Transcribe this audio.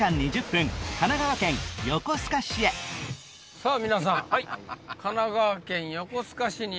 さぁ皆さん。